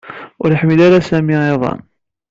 Ur iḥemmel ara Sami iḍan.